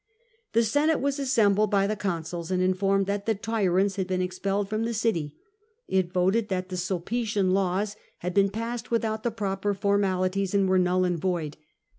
The Senate was assembled by the consuls, and informed that the '' tyrants " had been expelled from the city. It voted that the Sulpician laws had been passed without the proper formalities and were null and void.